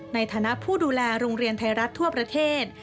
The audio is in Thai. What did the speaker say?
ในฐานะผู้ดูแลโรงเรียนไทยรัฐทั่วประเทศ